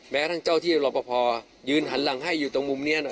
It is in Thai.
แม้ทั้งเจ้าที่รอปภยืนหันหลังให้อยู่ตรงมุมนี้